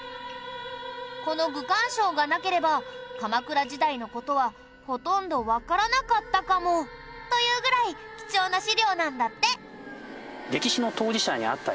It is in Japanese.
この『愚管抄』がなければ鎌倉時代の事はほとんどわからなかったかもというぐらい貴重な資料なんだって。